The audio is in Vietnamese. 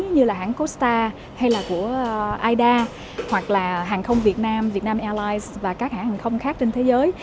như là hãng costa hay là của ida hoặc là hàng không việt nam vietnam airlines và các hãng hàng không khác trên thế giới